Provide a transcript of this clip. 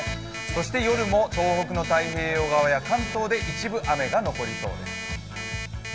そして夜も東北の太平洋側や関東で一部、雨が残りそうです。